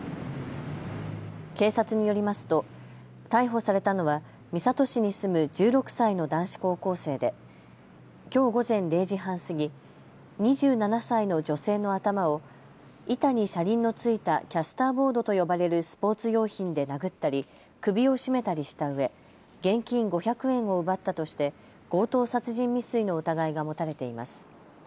警察によりますと逮捕されたのは三郷市に住む１６歳の男子高校生できょう午前０時半過ぎ、２７歳の女性の頭を板に車輪の付いたキャスターボードと呼ばれるスポーツ用品で殴ったり首を絞めたりしたうえ現金５００円を奪ったとして強盗殺人未遂の疑いが持たれています。